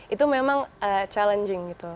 itu memang mencabar gitu